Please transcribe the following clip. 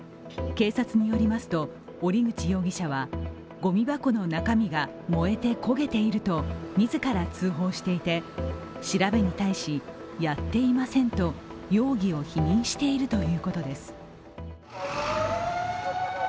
警察によりますと、折口容疑者はごみ箱の中身が燃えて焦げていると自ら通報していて調べに対しやっていませんと容疑を否認しているということです。